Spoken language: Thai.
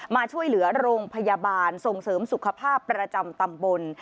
มาช่วยเหลือโรงพยาบาลส่งเสริมสุขภาพประจำตำบล